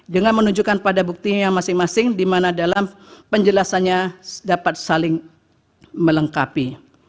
dengan menunjukkan pada buktinya masing masing di mana dalam penjelasannya dapat saling melengkapi